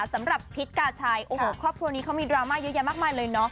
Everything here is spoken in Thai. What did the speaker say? พิษกาชัยโอ้โหครอบครัวนี้เขามีดราม่าเยอะแยะมากมายเลยเนาะ